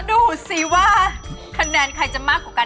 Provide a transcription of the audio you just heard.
ดูสิว่าคะแนนใครจะมากกว่ากัน